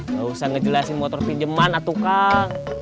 gak usah ngejelasin motor pinjeman atuh kang